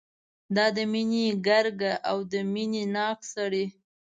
دا د مینې ګرګه او مینه ناک سړی.